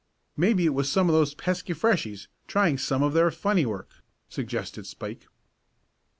"Maybe it was some of those pesky Freshies trying some of their funny work," suggested Spike.